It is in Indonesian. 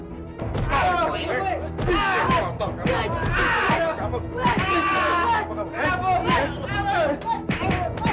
tapi kita jangan mengotori masjid ini